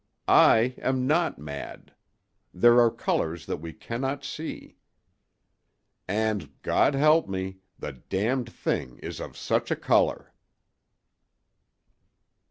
I am not mad; there are colors that we cannot see. "And, God help me! the Damned Thing is of such a color!"